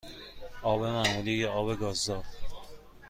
آب معمولی یا آب گازدار؟